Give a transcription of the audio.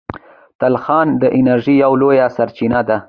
تلخان د انرژۍ یوه لویه سرچینه ده.